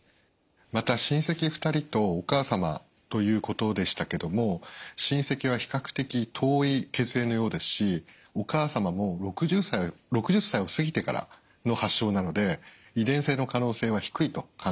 また親戚２人とお母様ということでしたけども親戚は比較的遠い血縁のようですしお母様も６０歳を過ぎてからの発症なので遺伝性の可能性は低いと考えます。